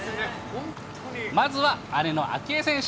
まずは姉の明愛選手。